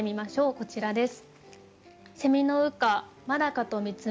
こちらです。